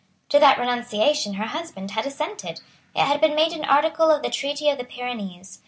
To that renunciation her husband had assented. It had been made an article of the Treaty of the Pyrenees.